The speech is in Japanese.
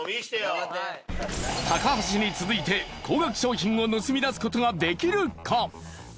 橋に続いて高額商品を盗み出すことができるか？